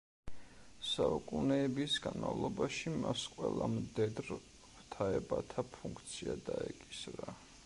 საუკუნეების განმავლობაში მას ყველა მდედრ ღვთაებათა ფუნქცია დაეკისრა.